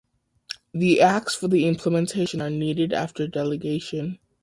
The acts for the implementation are needed after delegation.